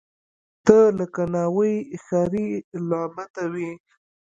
ته لکه ناوۍ، ښاري لعبته وې